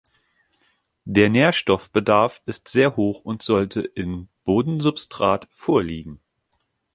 Der Nährstoffbedarf ist sehr hoch und sollte im Bodensubstrat vorliegen.